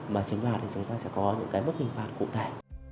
mà chiếm đoạt thì chúng ta sẽ có những cái mức hình phạt cụ thể